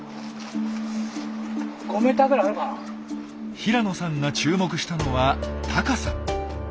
平野さんが注目したのは高さ。